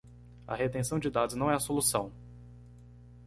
A retenção de dados não é a solução!